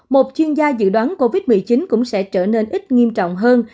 một chuyên gia dự đoán covid một mươi chín cũng sẽ trở nên ít nghiêm trọng hơn